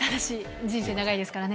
人生長いですからね。